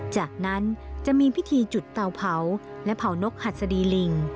จากนั้นจะมีพิธีจุดเตาเผาและเผานกหัดสดีลิง